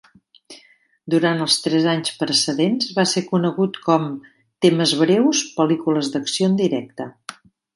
Durant els tres anys precedents va ser conegut com "Temes breus, pel·lícules d'acció en directe".